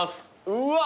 うわ！